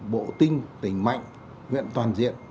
bộ tinh tỉnh mạnh nguyện toàn diện